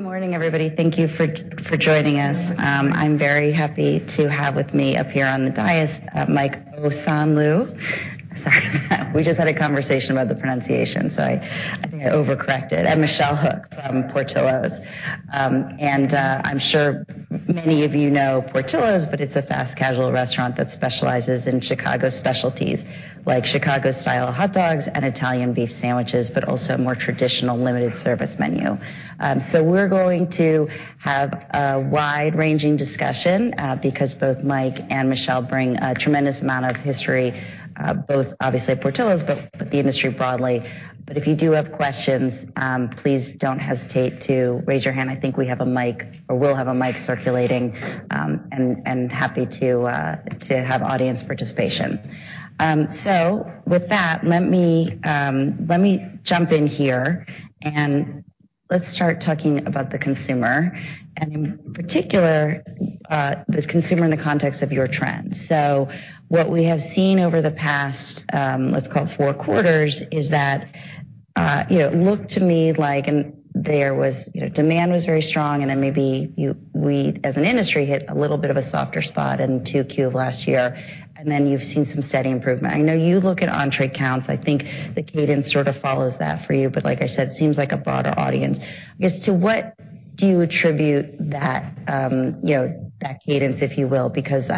Good morning, everybody. Thank you for joining us. I'm very happy to have with me up here on the dais, Michael Osanloo. Sorry we just had a conversation about the pronunciation, so I think I overcorrected. Michelle Hook from Portillo's. I'm sure many of you know Portillo's, but it's a fast casual restaurant that specializes in Chicago specialties, like Chicago-style hot dogs and Italian beef sandwiches, but also a more traditional limited service menu. We're going to have a wide-ranging discussion, because both Mike and Michelle bring a tremendous amount of history, both obviously at Portillo's, but the industry broadly. If you do have questions, please don't hesitate to raise your hand. I think we have a mic, or we'll have a mic circulating, and happy to have audience participation. With that, let me, let me jump in here, and let's start talking about the consumer and in particular, the consumer in the context of your trends. What we have seen over the past, let's call it four quarters, is that, you know, looked to me like and there was, you know, demand was very strong, and then maybe we as an industry hit a little bit of a softer spot in 2Q of last year, and then you've seen some steady improvement. I know you look at entry counts. I think the cadence sort of follows that for you. Like I said, it seems like a broader audience. I guess to what do you attribute that, you know, that cadence, if you will, because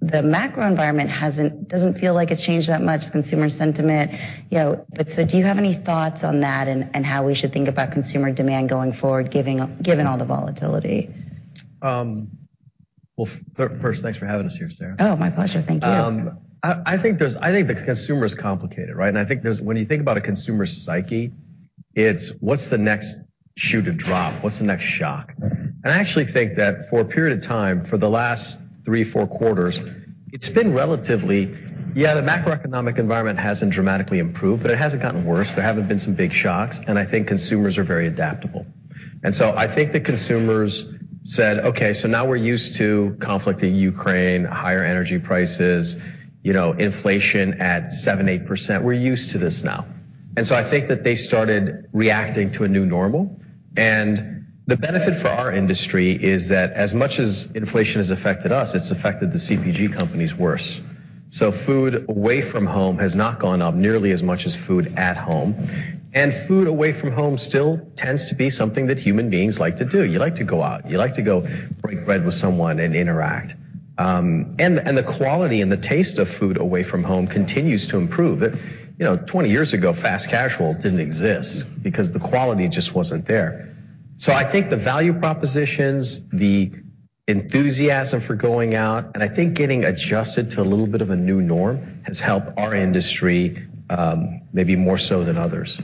the macro environment doesn't feel like it's changed that much consumer sentiment, you know. Do you have any thoughts on that and how we should think about consumer demand going forward, given all the volatility? Well, first, threthanks for having us here, Sarah. Oh, my pleasure. Thank you. I think the consumer is complicated, right? I think there's when you think about a consumer psyche, it's what's the next shoe to drop? What's the next shock? I actually think that for a period of time, for the last three, four quarters, it's been relatively... Yeah, the macroeconomic environment hasn't dramatically improved, but it hasn't gotten worse. There haven't been some big shocks, and I think consumers are very adaptable. I think the consumers said, "Okay, so now we're used to conflict in Ukraine, higher energy prices, you know, inflation at 7%, 8%." We're used to this now. I think that they started reacting to a new normal. The benefit for our industry is that as much as inflation has affected us, it's affected the CPG companies worse. Food away from home has not gone up nearly as much as food at home. Food away from home still tends to be something that human beings like to do. You like to go out. You like to go break bread with someone and interact. And the quality and the taste of food away from home continues to improve. You know, 20 years ago, fast casual didn't exist because the quality just wasn't there. I think the value propositions, the enthusiasm for going out, and I think getting adjusted to a little bit of a new norm has helped our industry, maybe more so than others.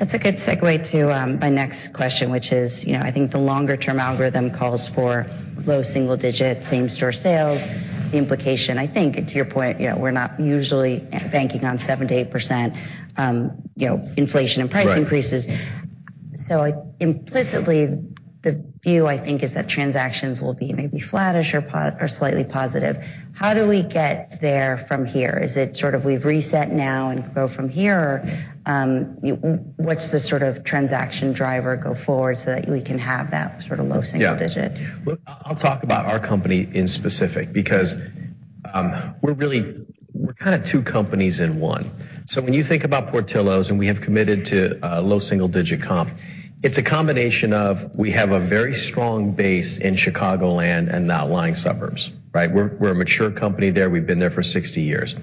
That's a good segue to my next question, which is, you know, I think the longer-term algorithm calls for low single-digit same-store sales. The implication, I think, to your point, you know, we're not usually banking on 7%-8%, you know, inflation and price increases. Right. Implicitly, the view, I think, is that transactions will be maybe flattish or slightly positive. How do we get there from here? Is it sort of we've reset now and grow from here? What's the sort of transaction driver go forward so that we can have that sort of low single digit? Yeah. Well, I'll talk about our company in specific because we're kind of two companies in one. When you think about Portillo's and we have committed to low single-digit comp, it's a combination of we have a very strong base in Chicagoland and the outlying suburbs, right? We're a mature company there. We've been there for 60 years.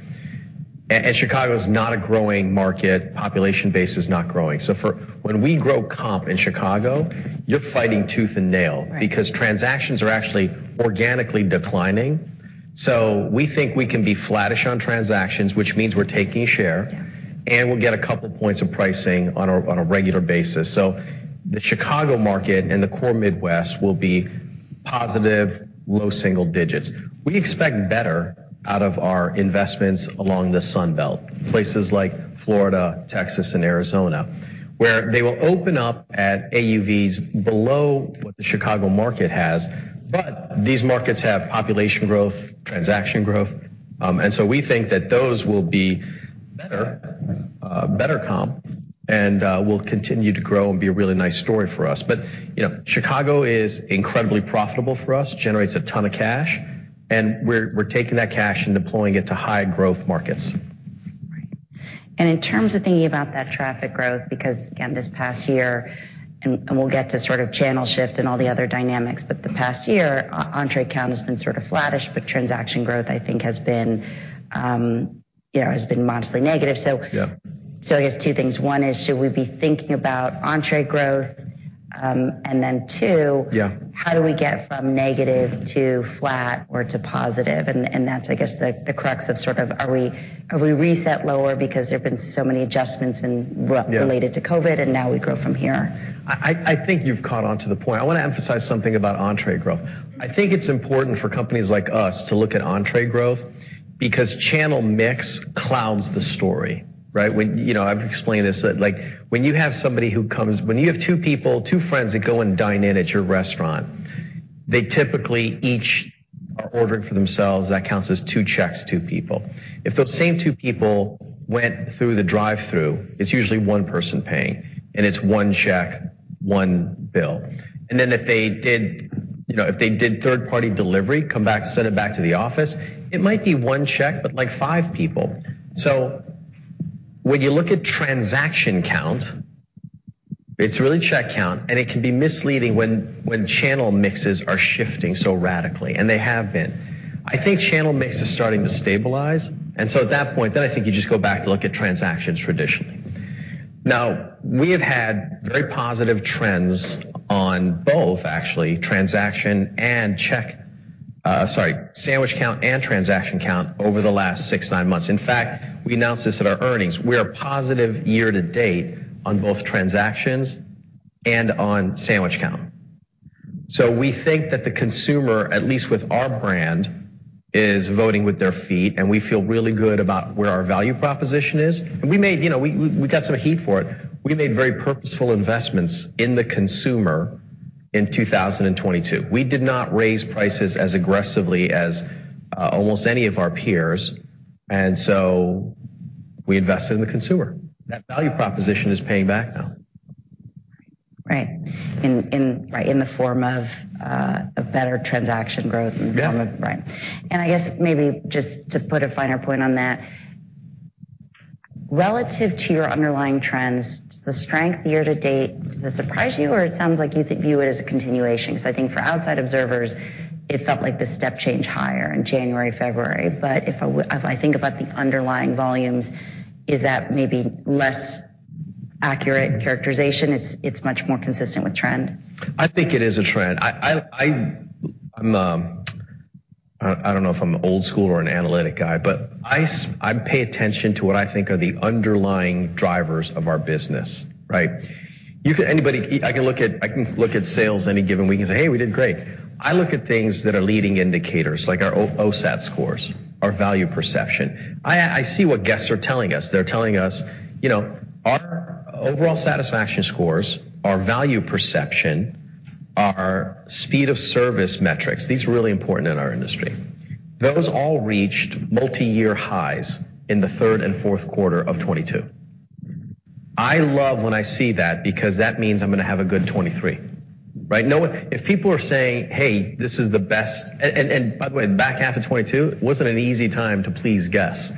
And Chicago is not a growing market. Population base is not growing. When we grow comp in Chicago, you're fighting tooth and nail. Right. Transactions are actually organically declining. W think we can be flattish on transactions, which means we're taking share. Yeah. We'll get two points of pricing on a regular basis. The Chicago market and the core Midwest will be positive low single digits. We expect better out of our investments along the Sun Belt, places like Florida, Texas, and Arizona, where they will open up at AUVs below what the Chicago market has. These markets have population growth, transaction growth. We think that those will be better comp and will continue to grow and be a really nice story for us. You know, Chicago is incredibly profitable for us, generates a ton of cash, and we're taking that cash and deploying it to high growth markets. Right. In terms of thinking about that traffic growth, because again, this past year and we'll get to sort of channel shift and all the other dynamics. The past year, entree count has been sort of flattish, but transaction growth I think has been, you know, modestly negative. Yeah. I guess two things. One is should we be thinking about entree growth? Two- Yeah. How do we get from negative to flat or to positive? That's I guess the crux of sort of are we, are we reset lower because there have been so many adjustments in what related to COVID and now we grow from here. I think you've caught on to the point. I wanna emphasize something about entree growth. I think it's important for companies like us to look at entree growth because channel mix clouds the story, right? You know, I've explained this, that like when you have two people, two friends that go and dine in at your restaurant, they typically each are ordering for themselves, that counts as two checks, two people. If those same two people went through the drive-thru, it's usually one person paying, and it's one check, one bill. Then if they did, you know, if they did third-party delivery, come back, send it back to the office, it might be one check, but like five people. When you look at transaction count, it's really check count, and it can be misleading when channel mixes are shifting so radically, and they have been. I think channel mix is starting to stabilize. At that point, then I think you just go back to look at transactions traditionally. Now, we have had very positive trends on both actually transaction and check, sorry, sandwich count and transaction count over the last six, nine months. In fact, we announced this at our earnings. We are positive year to date on both transactions and on sandwich count. We think that the consumer, at least with our brand, is voting with their feet, and we feel really good about where our value proposition is. We made, you know, we got some heat for it. We made very purposeful investments in the consumer in 2022. We did not raise prices as aggressively as almost any of our peers. We invested in the consumer. That value proposition is paying back now. Right. In the form of a better transaction growth. Yeah. Right. I guess maybe just to put a finer point on that, relative to your underlying trends, the strength year to date, does it surprise you, or it sounds like you view it as a continuation? I think for outside observers, it felt like the step change higher in January, February. If I think about the underlying volumes, is that maybe less accurate characterization? It's much more consistent with trend. I think it is a trend. I'm, I don't know if I'm old school or an analytic guy, but I pay attention to what I think are the underlying drivers of our business, right? Anybody, I can look at sales any given week and say, "Hey, we did great." I look at things that are leading indicators, like our OSAT scores, our value perception. I see what guests are telling us. They're telling us, you know, our overall satisfaction scores, our value perception, our speed of service metrics, these are really important in our industry. Those all reached multiyear highs in the third and fourth quarter of 2022. I love when I see that because that means I'm gonna have a good 2023, right? No one... If people are saying, "Hey, this is the best..." By the way, back half of 2022 wasn't an easy time to please guests,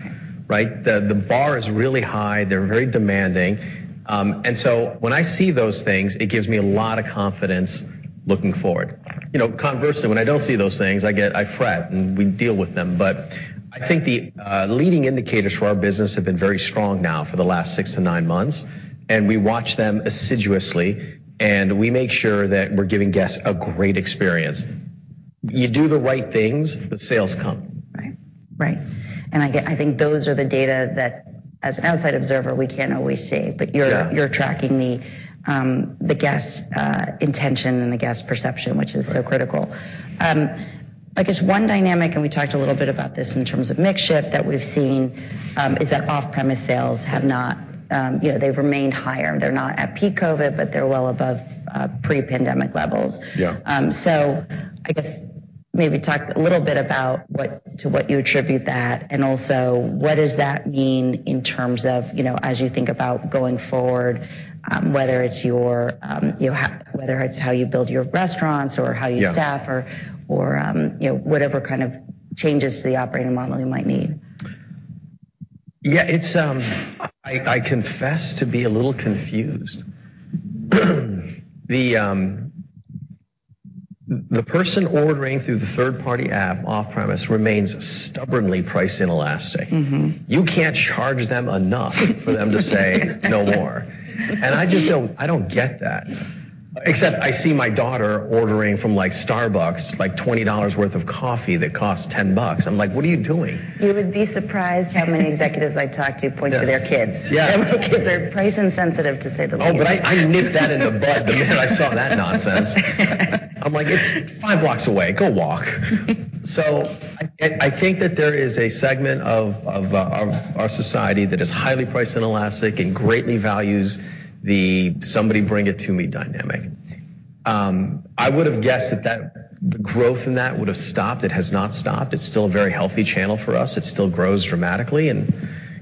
right? The bar is really high. They're very demanding. When I see those things, it gives me a lot of confidence looking forward. You know, conversely, when I don't see those things, I fret, and we deal with them. I think the leading indicators for our business have been very strong now for the last six-nine months, and we watch them assiduously, and we make sure that we're giving guests a great experience. You do the right things, the sales come. Right. Right. I think those are the data that as an outside observer, we can't always see. Yeah. You're tracking the guest intention and the guest perception, which is so critical. I guess one dynamic, and we talked a little bit about this in terms of mix shift that we've seen, is that off-premise sales have not, you know, they've remained higher. They're not at peak COVID, but they're well above pre-pandemic levels. Yeah. I guess maybe talk a little bit about to what you attribute that, and also what does that mean in terms of, you know, as you think about going forward, whether it's your, whether it's how you build your restaurants or how you staff or... Yeah. you know, whatever kind of changes to the operating model you might need. Yeah. It's, I confess to be a little confused. The person ordering through the third-party app off-premise remains stubbornly price inelastic. Mm-hmm. You can't charge them enough for them to say no more. I just don't get that. Except I see my daughter ordering from, like, Starbucks, like, $20 worth of coffee that costs $10. I'm like, "What are you doing? You would be surprised how many executives I talk to point to their kids. Yeah. Their kids are price insensitive to say the least. I nipped that in the bud the minute I saw that nonsense. I'm like, "It's five blocks away. Go walk." I think that there is a segment of our society that is highly price inelastic and greatly values the somebody bring it to me dynamic. I would have guessed that the growth in that would have stopped. It has not stopped. It's still a very healthy channel for us. It still grows dramatically, and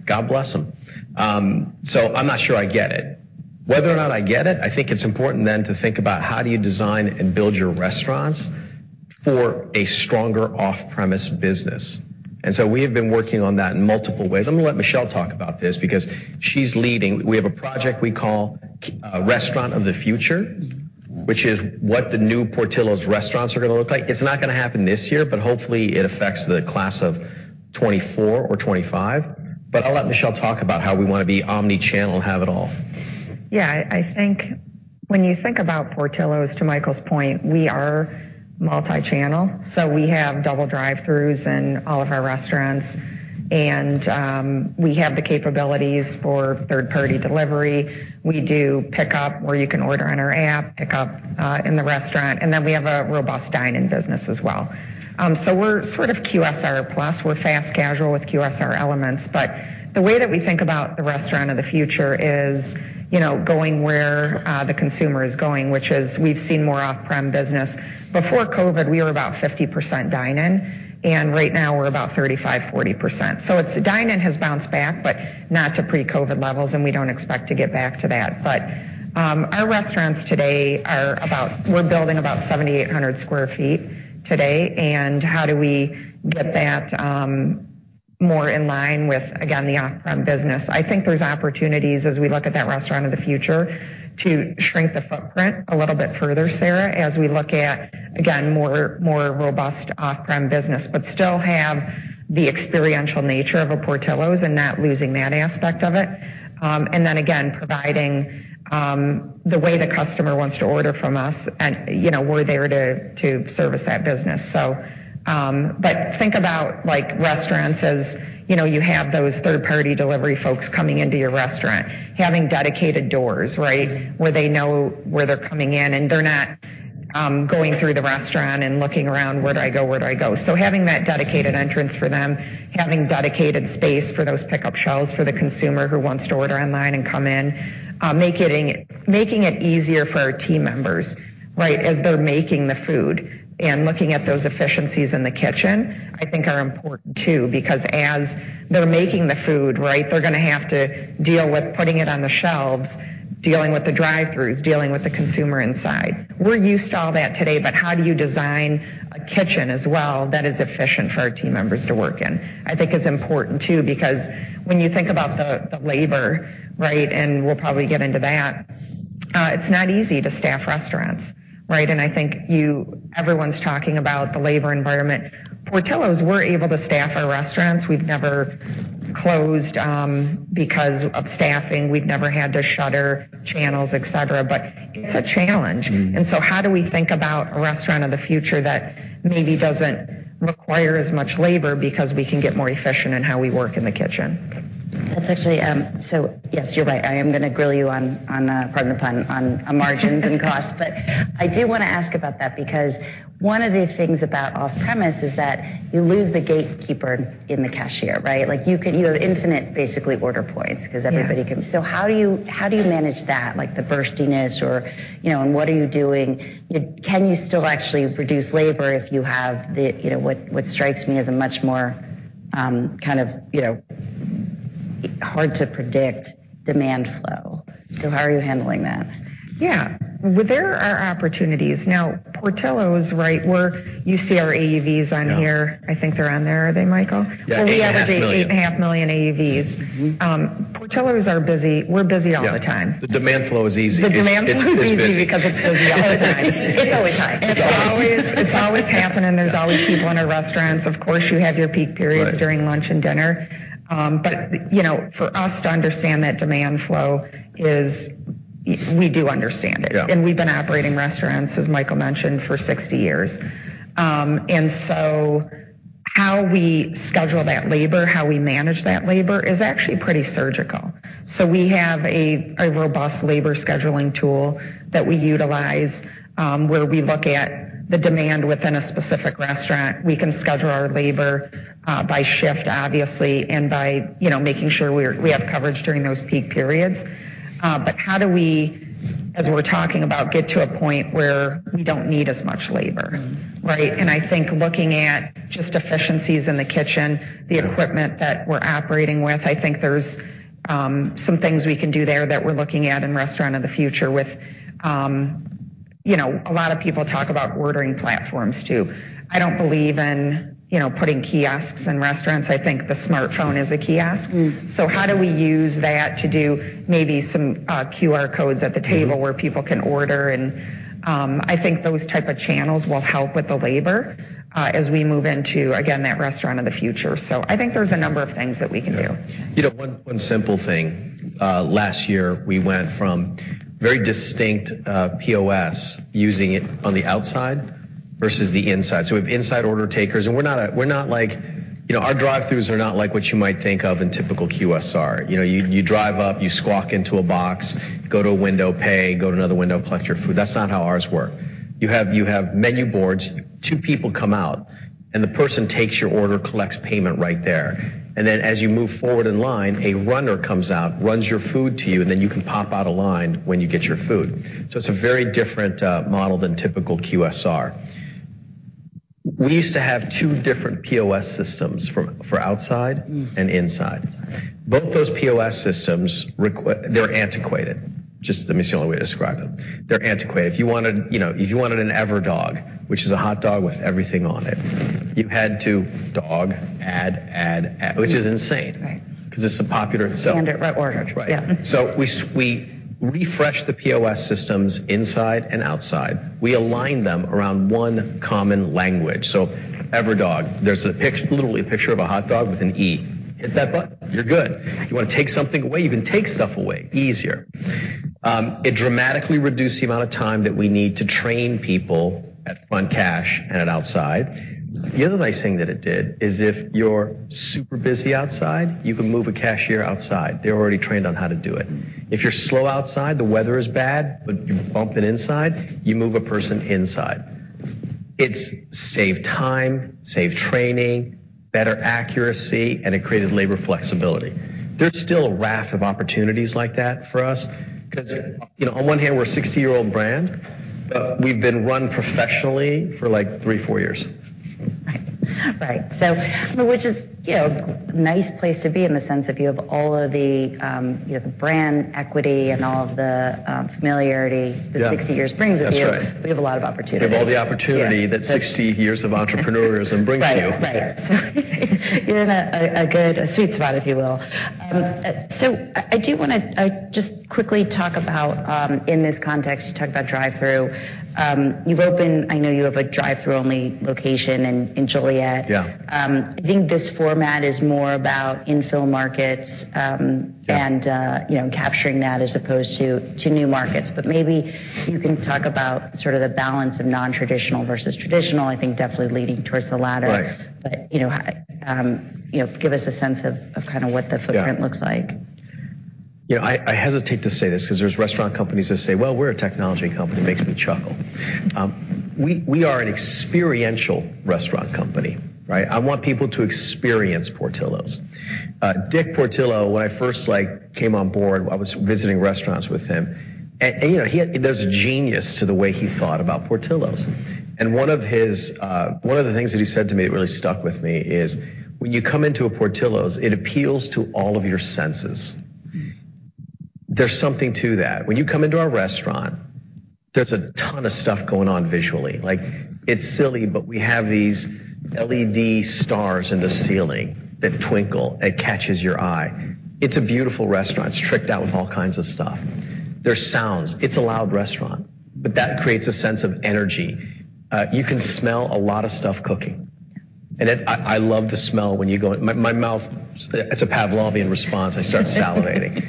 God bless them. I'm not sure I get it. Whether or not I get it, I think it's important then to think about how do you design and build your restaurants for a stronger off-premise business. We have been working on that in multiple ways. I'm gonna let Michelle talk about this because she's leading. We have a project we call, Restaurant of the Future, which is what the new Portillo's restaurants are gonna look like. It's not gonna happen this year, but hopefully it affects the class of 24 or 25. I'll let Michelle talk about how we wanna be omnichannel and have it all. I think when you think about Portillo's, to Michael's point, we are multi-channel. We have double drive-thrus in all of our restaurants, and we have the capabilities for third-party delivery. We do pickup where you can order on our app, pick up in the restaurant, and then we have a robust dine-in business as well. We're sort of QSR+. We're fast casual with QSR elements. The way that we think about the Restaurant of the Future is, you know, going where the consumer is going, which is we've seen more off-prem business. Before COVID, we were about 50% dine-in, and right now we're about 35%-40%. It's dine-in has bounced back, but not to pre-COVID levels, and we don't expect to get back to that. Our restaurants today we're building about 7,800 sq ft today. How do we get that more in line with, again, the off-prem business. I think there's opportunities as we look at that Restaurant of the Future to shrink the footprint a little bit further, Sarahh, as we look at, again, more robust off-prem business, but still have the experiential nature of a Portillo's and not losing that aspect of it. And then again, providing the way the customer wants to order from us and, you know, we're there to service that business. Think about, like, restaurants as, you know, you have those third-party delivery folks coming into your restaurant, having dedicated doors, right? Where they know where they're coming in, and they're not going through the restaurant and looking around, "Where do I go? Where do I go?" Having that dedicated entrance for them, having dedicated space for those pickup shelves for the consumer who wants to order online and come in, making it easier for our team members, right? As they're making the food and looking at those efficiencies in the kitchen, I think are important too because as they're making the food, right, they're gonna have to deal with putting it on the shelves, dealing with the drive-throughs, dealing with the consumer inside. We're used to all that today. How do you design a kitchen as well that is efficient for our team members to work in? I think is important too, because when you think about the labor, right? We'll probably get into that. It's not easy to staff restaurants, right? I think everyone's talking about the labor environment. Portillo's, we're able to staff our restaurants. We've never closed, because of staffing. We've never had to shutter channels, et cetera, but it's a challenge. Mm-hmm. How do we think about a Restaurant of the Future that maybe doesn't require as much labor because we can get more efficient in how we work in the kitchen? That's actually. Yes, you're right. I am gonna grill you on Pardon the pun, on margins and costs. I do wanna ask about that because one of the things about off-premise is that you lose the gatekeeper in the cashier, right? Like, you have infinite, basically, order points because everybody can- Yeah. How do you manage that? Like, the burstiness or, you know, and what are you doing? Can you still actually reduce labor if you have the, you know, what strikes me as a much more, kind of, you know, hard to predict demand flow? How are you handling that? Yeah. Well, there are opportunities. Now, Portillo's, right, You see our AUVs on here. Yeah. I think they're on there. Are they, Michael? Yeah. $8.5 Million. Well, we average $8.5 million AUVs. Mm-hmm. Portillo's are busy. We're busy all the time. Yeah. The demand flow is easy. The demand flow is easy because it's busy all the time. It's always high. It's always happening. There's always people in our restaurants. Of course, you have your peak periods. Right. during lunch and dinner. You know, for us to understand that demand flow is we do understand it. Yeah. We've been operating restaurants, as Michael mentioned, for 60 years. How we schedule that labor, how we manage that labor is actually pretty surgical. We have a robust labor scheduling tool that we utilize, where we look at the demand within a specific restaurant. We can schedule our labor by shift, obviously, and by, you know, making sure we have coverage during those peak periods. How do we, as we're talking about, get to a point where we don't need as much labor, right? I think looking at just efficiencies in the kitchen, the equipment that we're operating with, I think there's some things we can do there that we're looking at in Restaurant of the Future with, you know, a lot of people talk about ordering platforms, too. I don't believe in, you know, putting kiosks in restaurants. I think the smartphone is a kiosk. Mm-hmm. How do we use that to do maybe some QR codes at the table... Mm-hmm. -where people can order? I think those type of channels will help with the labor, as we move into, again, that Restaurant of the Future. I think there's a number of things that we can do. Yeah. You know, one simple thing. Last year, we went from very distinct POS using it on the outside versus the inside. We have inside order takers, and we're not like, you know, our drive-throughs are not like what you might think of in typical QSR. You know, you drive up, you squawk into a box, go to a window, pay, go to another window, collect your food. That's not how ours work. You have menu boards. Two people come out, and the person takes your order, collects payment right there. As you move forward in line, a runner comes out, runs your food to you, and then you can pop out of line when you get your food. It's a very different model than typical QSR. We used to have two different POS systems for outside and inside. Both those POS systems, they're antiquated. Just that is the only way to describe them. They're antiquated. If you wanted, you know, if you wanted an Ever Dog, which is a Hot Dog with everything on it, you had to add, which is insane. Right. Because it's a popular sell. Standard order. Right. Yeah. We refreshed the POS systems inside and outside. We aligned them around one common language. Ever Dog, there's literally a picture of a hot dog with an E. Hit that button, you're good. You wanna take something away, you can take stuff away easier. It dramatically reduced the amount of time that we need to train people at front cash and at outside. The other nice thing that it did is if you're super busy outside, you can move a cashier outside. They're already trained on how to do it. If you're slow outside, the weather is bad, but you're bumping inside, you move a person inside. It's save time, save training, better accuracy, and it created labor flexibility. There's still a raft of opportunities like that for us because, you know, on one hand, we're a 60-year-old brand, but we've been run professionally for like three, four years. Right. Right. Which is, you know, nice place to be in the sense of you have the brand equity and all of the familiarity. Yeah. The 60 years brings with you. That's right. You have a lot of opportunity. You have all the opportunity that 60 years of entrepreneurism brings you. Right. Right. You're in a sweet spot, if you will. I do wanna just quickly talk about in this context, you talked about drive-through. I know you have a drive-through only location in Joliet. Yeah. I think this format is more about infill markets. Yeah. You know, capturing that as opposed to new markets. Maybe you can talk about sort of the balance of non-traditional versus traditional. I think definitely leading towards the latter. Right. You know, give us a sense of kind of what the footprint looks like. Yeah. I hesitate to say this because there's restaurant companies that say, "Well, we're a technology company," makes me chuckle. We are an experiential restaurant company, right? I want people to experience Portillo's. Dick Portillo, when I first, like, came on board, I was visiting restaurants with him. You know, there's a genius to the way he thought about Portillo's. One of his, one of the things that he said to me, it really stuck with me, is when you come into a Portillo's, it appeals to all of your senses. Mm-hmm. There's something to that. When you come into our restaurant, there's a ton of stuff going on visually. Like, it's silly, but we have these LED stars in the ceiling that twinkle. It catches your eye. It's a beautiful restaurant. It's tricked out with all kinds of stuff. There's sounds. It's a loud restaurant, but that creates a sense of energy. You can smell a lot of stuff cooking, and I love the smell when you go. My mouth, it's a Pavlovian response. I start salivating.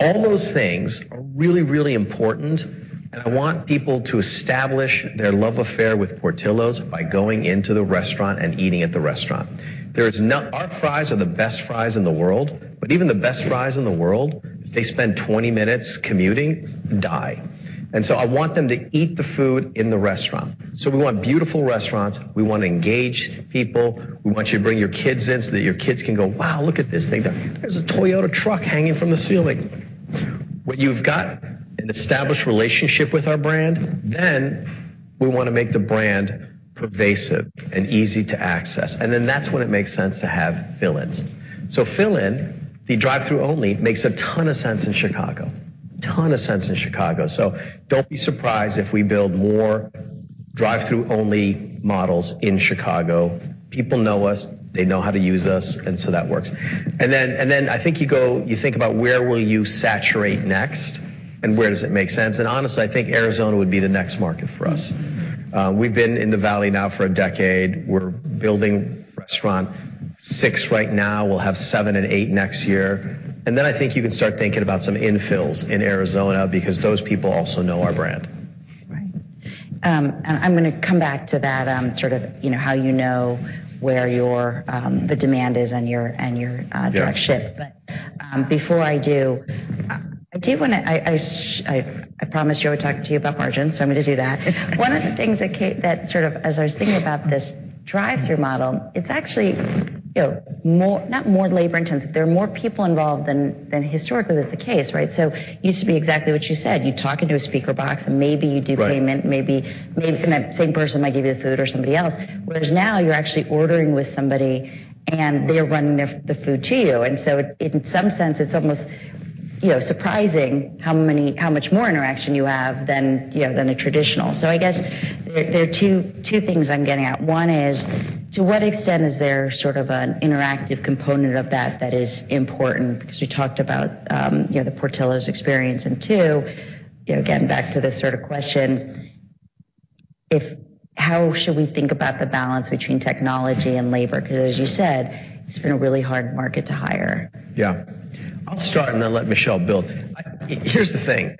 All those things are really, really important, and I want people to establish their love affair with Portillo's by going into the restaurant and eating at the restaurant. Our fries are the best fries in the world, but even the best fries in the world, if they spend 20 minutes commuting, die. I want them to eat the food in the restaurant. We want beautiful restaurants. We want to engage people. We want you to bring your kids in, so that your kids can go, "Wow, look at this thing. There's a Toyota truck hanging from the ceiling." When you've got an established relationship with our brand, then we wanna make the brand pervasive and easy to access. That's when it makes sense to have fill-ins. Fill-in, the drive-through only makes a ton of sense in Chicago. Ton of sense in Chicago. Don't be surprised if we build more drive-through only models in Chicago. People know us. They know how to use us, and so that works. I think you think about where will you saturate next and where does it make sense? Honestly, I think Arizona would be the next market for us. Mm-hmm. We've been in the valley now for a decade. We're building restaurant six right now. We'll have seven and eight next year. I think you can start thinking about some infills in Arizona because those people also know our brand. Right. I'm gonna come back to that, sort of, you know, how you know where your, the demand is and your, and your, drive ship. Yeah. Before I do, I promised you I would talk to you about margins, so I'm gonna do that. One of the things that sort of as I was thinking about this drive-through model, it's actually, you know, not more labor intensive. There are more people involved than historically was the case, right? It used to be exactly what you said. You talk into a speaker box and maybe you do payment. Right. Maybe even that same person might give you the food or somebody else. Whereas now you're actually ordering with somebody, and they're running the food to you. In some sense, it's almost, you know, surprising how much more interaction you have than, you know, than a traditional. I guess there are two things I'm getting at. One is, to what extent is there sort of an interactive component of that that is important? Because you talked about, you know, the Portillo's experience. Two, you know, getting back to this sort of question, how should we think about the balance between technology and labor? Because, as you said, it's been a really hard market to hire. Yeah. I'll start and then let Michelle build. Here's the thing.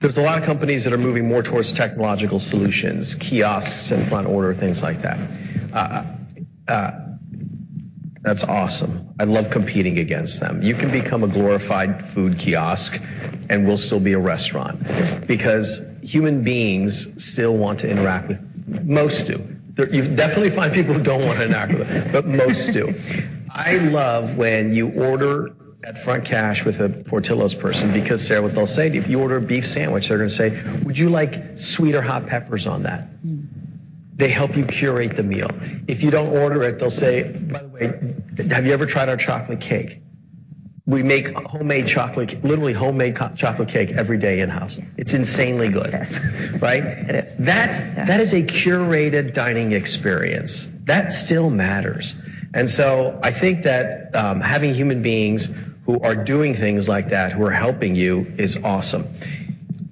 There's a lot of companies that are moving more towards technological solutions, kiosks and front order, things like that. That's awesome. I love competing against them. You can become a glorified food kiosk, and we'll still be a restaurant because human beings still want to interact with... Most do. You'll definitely find people who don't want to interact with, but most do. I love when you order at front cash with a Portillo's person because what they'll say to you. If you order a beef sandwich, they're gonna say, "Would you like sweet or hot peppers on that? Mm-hmm. They help you curate the meal. If you don't order it, they'll say, "By the way, have you ever tried our chocolate cake? We make homemade chocolate, literally homemade chocolate cake every day in-house. Yeah. It's insanely good. Yes. Right? It is. That's- Yeah. That is a curated dining experience. That still matters. I think that, having human beings who are doing things like that, who are helping you, is awesome.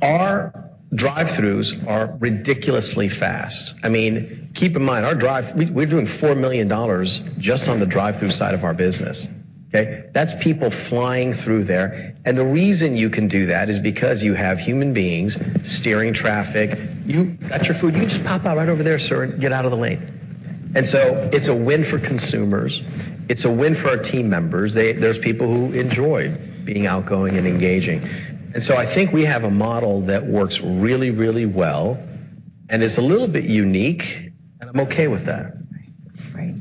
Our drive-throughs are ridiculously fast. I mean, keep in mind, our we're doing $4 million just on the drive-through side of our business, okay? That's people flying through there. The reason you can do that is because you have human beings steering traffic. You got your food, you just pop out right ov er there, sir, get out of the lane. It's a win for consumers, it's a win for our team members. There's people who enjoy being outgoing and engaging. I think we have a model that works really, really well, and it's a little bit unique, and I'm okay with that. Right.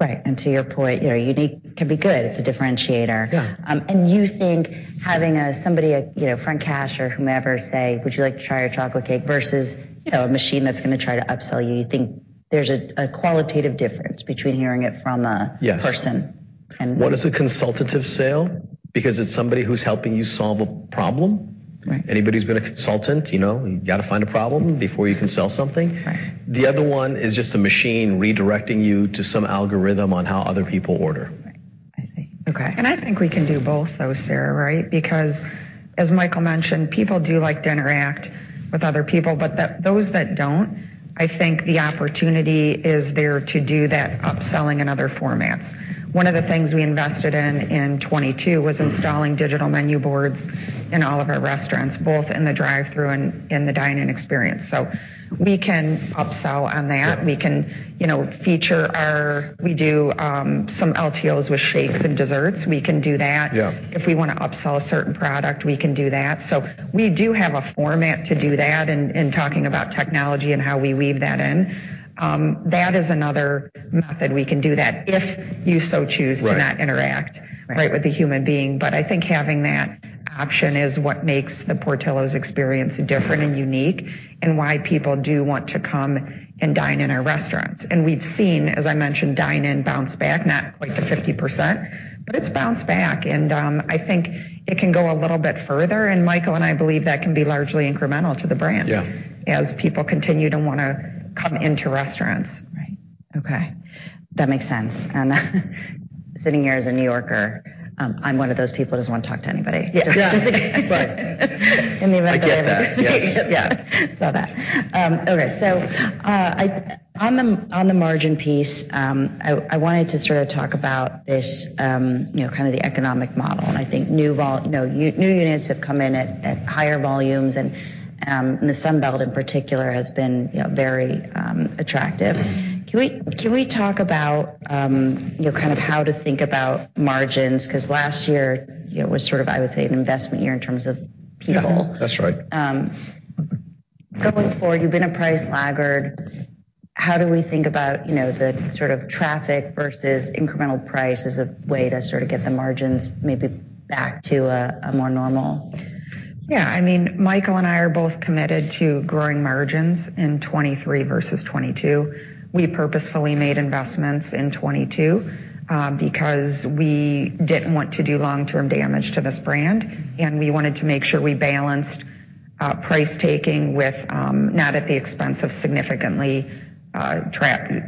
Right. To your point, you know, unique can be good. It's a differentiator. Yeah. You think having somebody, you know, front cash or whomever say, "Would you like to try our chocolate cake?" Versus, you know, a machine that's gonna try to upsell you. You think there's a qualitative difference between hearing it from? Yes. -person and- One is a consultative sale because it's somebody who's helping you solve a problem. Right. Anybody who's been a consultant, you know, you gotta find a problem before you can sell something. Right. The other one is just a machine redirecting you to some algorithm on how other people order. Right. I see. Okay. I think we can do both though, Sarahh. Right? Because as Michael mentioned, people do like to interact with other people, but those that don't, I think the opportunity is there to do that upselling in other formats. One of the things we invested in in 22 was installing digital menu boards in all of our restaurants, both in the drive-thru and in the dine-in experience. We can upsell on that. Yeah. We can, you know, feature, we do some LTOs with shakes and desserts. We can do that. Yeah. If we wanna upsell a certain product, we can do that. We do have a format to do that in talking about technology and how we weave that in. That is another method we can do that if you so choose. Right. to not interact. Right. Right, with a human being. I think having that option is what makes the Portillo's experience different and unique, and why people do want to come and dine in our restaurants. We've seen, as I mentioned, dine-in bounce back, not quite to 50%, but it's bounced back. I think it can go a little bit further. Michael and I believe that can be largely incremental to the brand. Yeah. as people continue to wanna come into restaurants. Right. Okay. That makes sense. Sitting here as a New Yorker, I'm one of those people who doesn't wanna talk to anybody. Yeah. Just in case. Right. In the event that- I get that. Yes. Yes. Saw that. Okay. On the, on the margin piece, I wanted to sort of talk about this, you know, kind of the economic model, and I think new, you know, new units have come in at higher volumes and the Sun Belt in particular has been, you know, very attractive. Can we, can we talk about, you know, kind of how to think about margins? 'Cause last year, you know, was sort of, I would say, an investment year in terms of people. Yeah. That's right. Going forward, you've been a price laggard. How do we think about, you know, the sort of traffic versus incremental price as a way to sort of get the margins maybe back to a more normal? I mean, Michael and I are both committed to growing margins in 2023 versus 2022. We purposefully made investments in 2022 because we didn't want to do long-term damage to this brand, and we wanted to make sure we balanced price taking with not at the expense of significantly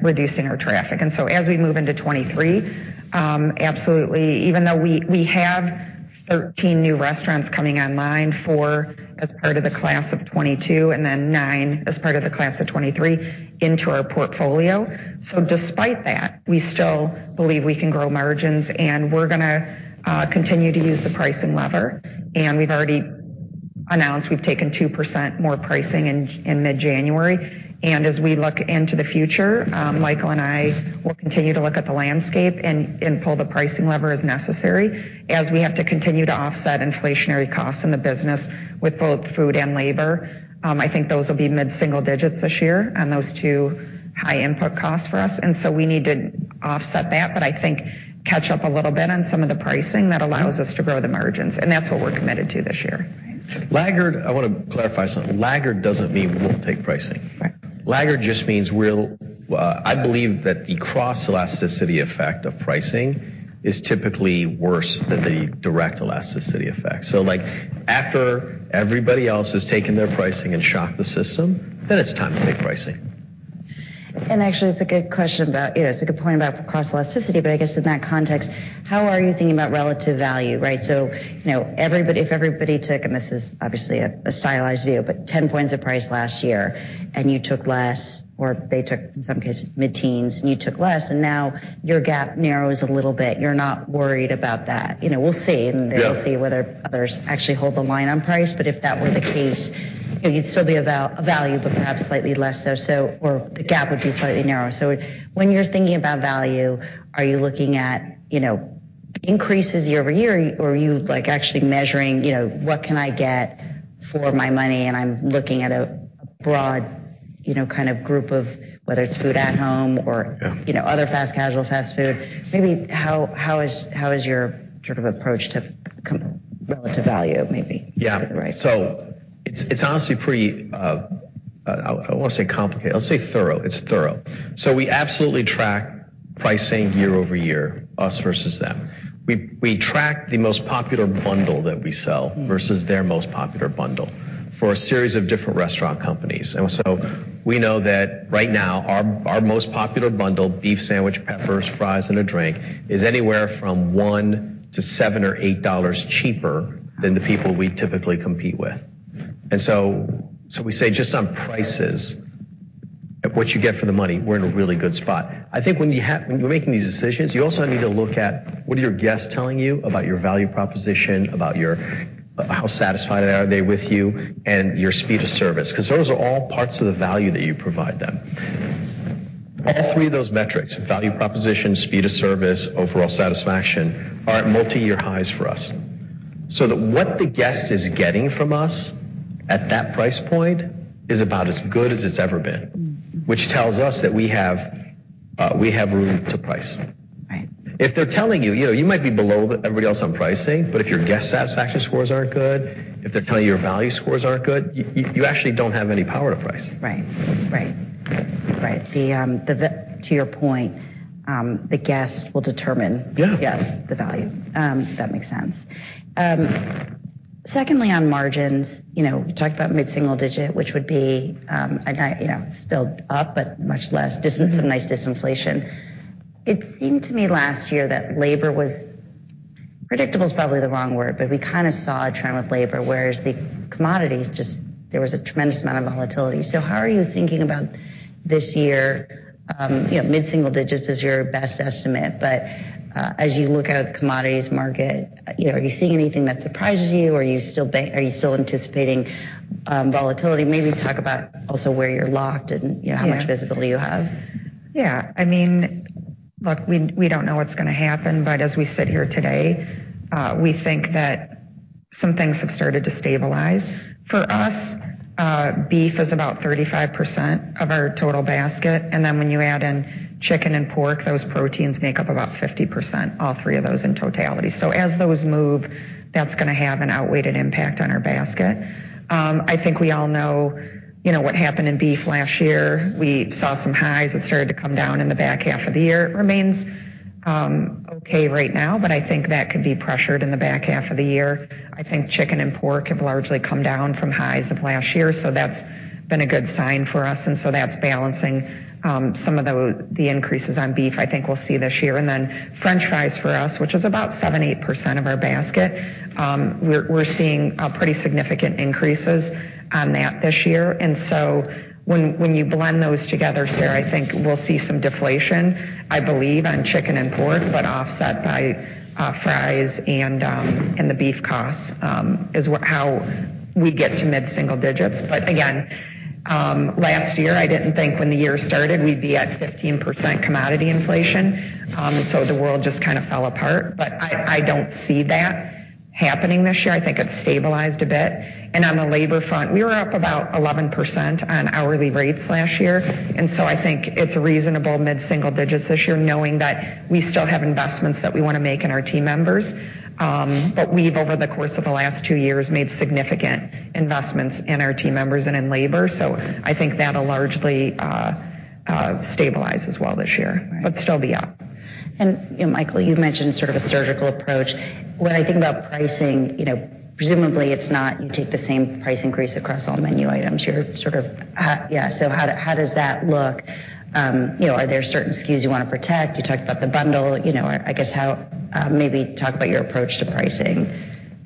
reducing our traffic. As we move into 2023, absolutely. Even though we have 13 new restaurants coming online, four as part of the class of 2022 and then nine as part of the class of 2023 into our portfolio. Despite that, we still believe we can grow margins, and we're gonna continue to use the pricing lever. We've already announced we've taken 2% more pricing in mid-January. As we look into the future, Michael and I will continue to look at the landscape and pull the pricing lever as necessary as we have to continue to offset inflationary costs in the business with both food and labor. I think those will be mid-single digits this year on those two high input costs for us. We need to offset that, but I think catch up a little bit on some of the pricing that allows us to grow the margins, and that's what we're committed to this year. Right. Laggard, I wanna clarify something. Laggard doesn't mean we won't take pricing. Right. Laggard just means I believe that the cross-elasticity effect of pricing is typically worse than the direct elasticity effect. Like, after everybody else has taken their pricing and shocked the system, then it's time to take pricing. Actually, it's a good question. You know, it's a good point about cross-elasticity, but I guess in that context, how are you thinking about relative value, right? You know, everybody, if everybody took, and this is obviously a stylized view, but 10 points of price last year and you took less, or they took, in some cases, mid-teens and you took less, and now your gap narrows a little bit. You're not worried about that. You know, we'll see. Yeah. We'll see whether others actually hold the line on price. If that were the case, you'd still be about a value, but perhaps slightly less so or the gap would be slightly narrower. When you're thinking about value, are you looking at, you know, increases year-over-year or are you like actually measuring, you know, what can I get for my money and I'm looking at a broad, you know, kind of group of whether it's food at home or? Yeah. you know, other fast casual fast food? Maybe how is your sort of approach to relative value maybe? Yeah. Right. it's honestly pretty, I wouldn't say complicated. Let's say thorough. It's thorough. we absolutely track pricing year-over-year, us versus them. We track the most popular bundle that we sell versus their most popular bundle for a series of different restaurant companies. we know that right now our most popular bundle, beef sandwich, peppers, fries and a drink, is anywhere from $1-$7 or $8 cheaper than the people we typically compete with. we say just on prices of what you get for the money, we're in a really good spot. I think when you're making these decisions, you also need to look at what are your guests telling you about your value proposition, about how satisfied are they with you and your speed of service, because those are all parts of the value that you provide them. All three of those metrics, value proposition, speed of service, overall satisfaction, are at multi-year highs for us. That what the guest is getting from us at that price point is about as good as it's ever been, which tells us that we have, we have room to price. Right. If they're telling you know, you might be below everybody else on pricing, but if your guest satisfaction scores aren't good, if they're telling you your value scores aren't good, you actually don't have any power to price. Right. Right. Right. The, To your point, the guest will determine- Yeah. the value. That makes sense. Secondly, on margins, you know, you talked about mid-single digit, which would be, you know, still up, but much less. Some nice disinflation. It seemed to me last year that labor was... Predictable is probably the wrong word, but we kind of saw a trend with labor, whereas the commodities just there was a tremendous amount of volatility. How are you thinking about this year? You know, mid-single digits is your best estimate. As you look at the commodities market, you know, are you seeing anything that surprises you? Are you still anticipating volatility? Maybe talk about also where you're locked and, you know, how much visibility you have. Yeah. I mean, look, we don't know what's gonna happen, as we sit here today, we think that some things have started to stabilize. For us, beef is about 35% of our total basket, when you add in chicken and pork, those proteins make up about 50%, all three of those in totality. As those move, that's gonna have an outweighted impact on our basket. I think we all know, you know, what happened in beef last year. We saw some highs. It started to come down in the back half of the year. It remains okay right now, I think that could be pressured in the back half of the year. I think chicken and pork have largely come down from highs of last year, that's been a good sign for us. That's balancing some of the increases on beef I think we'll see this year. Then french fries for us, which is about 7%-8% of our basket, we're seeing pretty significant increases on that this year. When you blend those together, Sarahh, I think we'll see some deflation, I believe, on chicken and pork, but offset by fries and the beef costs is how we get to mid-single digits. Again, last year, I didn't think when the year started we'd be at 15% commodity inflation. The world just kind of fell apart. I don't see that happening this year. I think it's stabilized a bit. On the labor front, we were up about 11% on hourly rates last year. I think it's a reasonable mid-single digits this year, knowing that we still have investments that we wanna make in our team members. But we've, over the course of the last two years, made significant investments in our team members and in labor. I think that'll largely stabilize as well this year. Right. still be up. You know, Michael, you've mentioned sort of a surgical approach. When I think about pricing, you know, presumably it's not you take the same price increase across all menu items. You're sort of. Yeah. How, how does that look? You know, are there certain SKUs you wanna protect? You talked about the bundle. You know, I guess how. Maybe talk about your approach to pricing.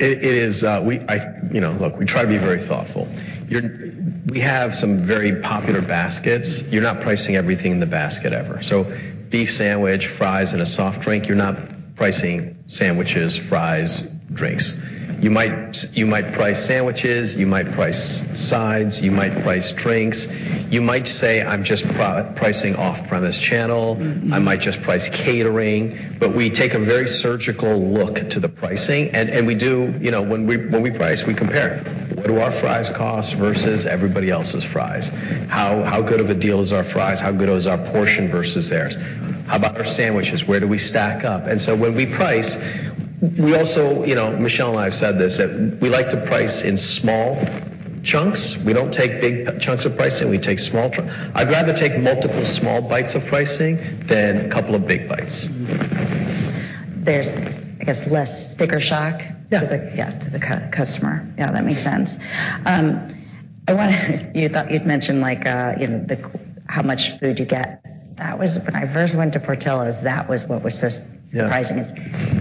It is, you know, look, we try to be very thoughtful. We have some very popular baskets. You're not pricing everything in the basket ever. Beef sandwich, fries, and a soft drink, you're not pricing sandwiches, fries, drinks. You might price sandwiches, you might price sides, you might price drinks. You might say, "I'm just pricing off-premise channel. Mm-hmm. I might just price catering. We take a very surgical look to the pricing, and You know, when we price, we compare. What do our fries cost versus everybody else's fries? How good of a deal is our fries? How good is our portion versus theirs? How about our sandwiches? Where do we stack up? When we price, we also... You know, Michelle and I have said this, that we like to price in small chunks. We don't take big chunks of pricing. We take small chunks. I'd rather take multiple small bites of pricing than a couple of big bites. There's, I guess, less sticker shock... Yeah. to the, yeah, to the customer. Yeah, that makes sense. I wonder you thought you'd mention like, you know, the how much food you get. When I first went to Portillo's, that was what was so surprising is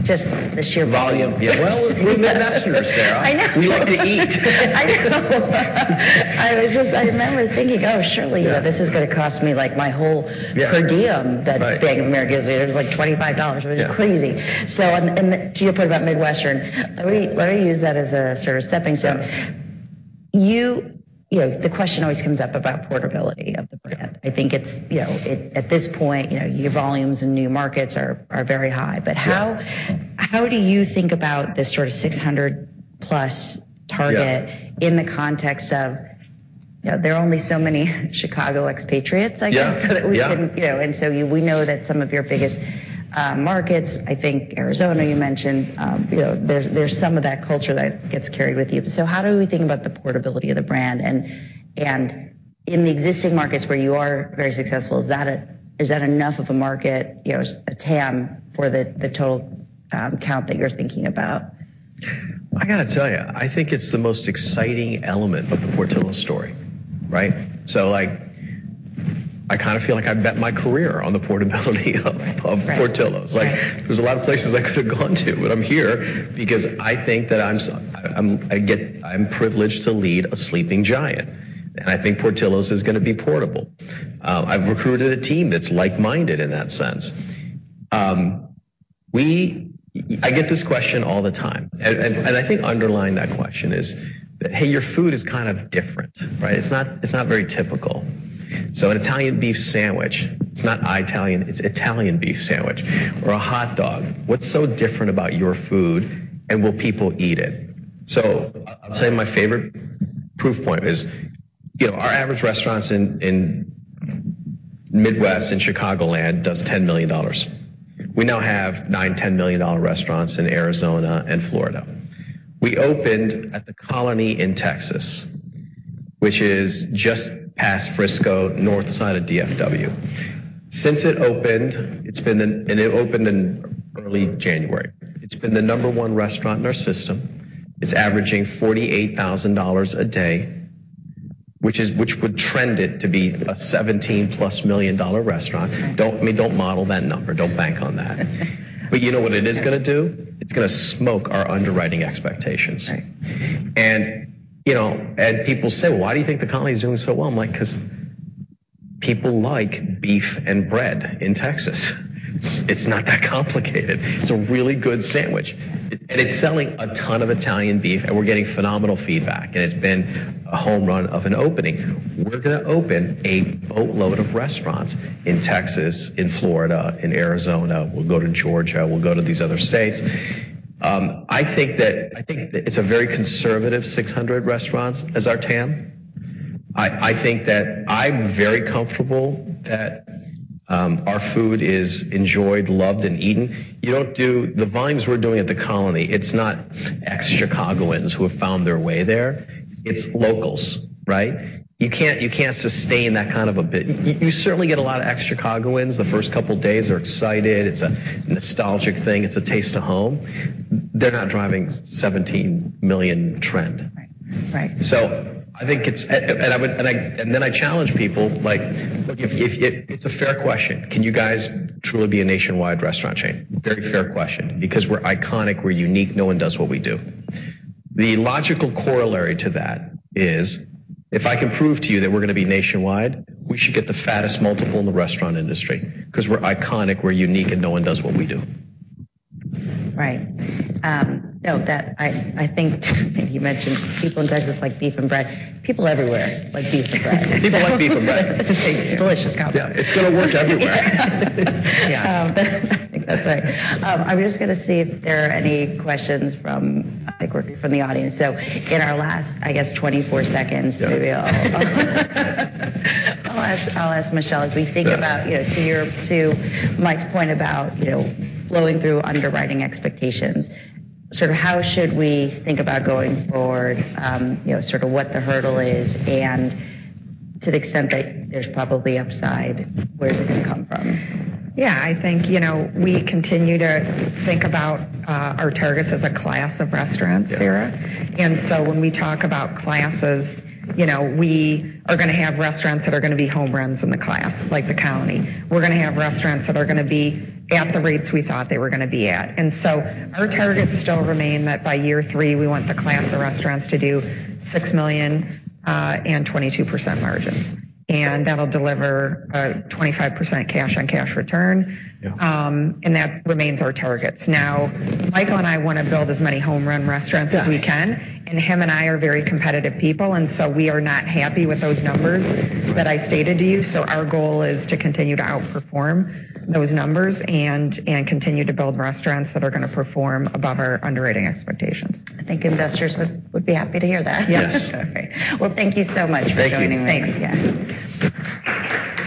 just the sheer volume. Well, we're Midwesterners, Sarahh. I know. We like to eat. I know. I remember thinking, "Oh, surely, you know, this is gonna cost me, like, my whole per diem that Bank of America gives me." It was like $25. Yeah. It was crazy. To your point about Midwestern, let me use that as a sort of stepping stone. Yeah. You know, the question always comes up about portability of the brand. Yeah. I think it's, you know, at this point, you know, your volumes in new markets are very high. Yeah. How do you think about this sort of 600+ target? Yeah. -in the context of, you know, there are only so many Chicago expatriates, I guess. Yeah, yeah. that we can, you know. We know that some of your biggest markets, I think Arizona, you mentioned, you know, there's some of that culture that gets carried with you. How do we think about the portability of the brand? In the existing markets where you are very successful, is that enough of a market, you know, a TAM for the total count that you're thinking about? I gotta tell you, I think it's the most exciting element of the Portillo's story, right? Like, I kinda feel like I bet my career on the portability of Portillo's. Right. Like, there's a lot of places I could have gone to, but I'm here because I think that I'm privileged to lead a sleeping giant, and I think Portillo's is gonna be portable. I've recruited a team that's like-minded in that sense. I get this question all the time. I think underlying that question is that, Hey, your food is kind of different, right? It's not very typical. An Italian Beef sandwich, it's not Italian, it's Italian Beef sandwich or a hot dog. What's so different about your food and will people eat it? I'll tell you my favorite proof point is, you know, our average restaurants in Midwest in Chicago land does $10 million. We now have $9- $10 million restaurants in Arizona and Florida. We opened at The Colony in Texas, which is just past Frisco, north side of DFW. Since it opened, and it opened in early January, it's been the number one restaurant in our system. It's averaging $48,000 a day which would trend it to be a $17+ million restaurant. Don't, I mean, don't model that number. Don't bank on that. You know what it is gonna do? It's gonna smoke our underwriting expectations. Right. You know, people say, "Well, why do you think The Colony is doing so well?" I'm like, " 'Cause people like beef and bread in Texas." It's not that complicated. It's a really good sandwich. It's selling a ton of Italian Beef, and we're getting phenomenal feedback, and it's been a home run of an opening. We're gonna open a boatload of restaurants in Texas, in Florida, in Arizona. We'll go to Georgia. We'll go to these other states. I think that it's a very conservative 600 restaurants as our TAM. I think that I'm very comfortable that our food is enjoyed, loved, and eaten. The volumes we're doing at The Colony, it's not ex-Chicagoans who have found their way there. It's locals, right? You can't sustain that kind of a bit. You certainly get a lot of ex-Chicagoans. The first couple of days are excited. It's a nostalgic thing. It's a taste of home. They're not driving 17 million trend. Right. Right. I think it's. I would. Then I challenge people like, look, if it's a fair question. Can you guys truly be a nationwide restaurant chain? Very fair question because we're iconic, we're unique, no one does what we do. The logical corollary to that is, if I can prove to you that we're gonna be nationwide, we should get the fattest multiple in the restaurant industry because we're iconic, we're unique, and no one does what we do. Right. No, that I think you mentioned people in Texas like beef and bread. People everywhere like beef and bread. People like beef and bread. It's delicious combo. Yeah. It's gonna work everywhere. Yeah. I think that's right. I'm just gonna see if there are any questions from, I think, from the audience. In our last, I guess, 24 seconds. Yeah. Maybe I'll ask Michelle, as we think about, you know, to Mike's point about, you know, flowing through underwriting expectations, sort of how should we think about going forward, you know, sort of what the hurdle is, and to the extent that there's probably upside, where is it gonna come from? Yeah, I think, you know, we continue to think about, our targets as a class of restaurants, Sarah. Yeah. When we talk about classes, you know, we are gonna have restaurants that are gonna be home runs in the class, like The Colony. We're gonna have restaurants that are gonna be at the rates we thought they were gonna be at. Our targets still remain that by year three, we want the class of restaurants to do $6 million and 22% margins. That'll deliver 25% cash on cash return. Yeah. That remains our targets. Michael and I wanna build as many home run restaurants as we can, and him and I are very competitive people. We are not happy with those numbers that I stated to you. Our goal is to continue to outperform those numbers and continue to build restaurants that are gonna perform above our underwriting expectations. I think investors would be happy to hear that. Yes. Yes. Okay. Well, thank you so much for joining us. Thank you. Thanks. Yeah.